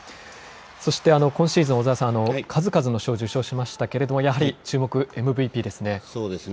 そして、今シーズン、小澤さん、数々の賞を受賞しましたけれども、そうですね。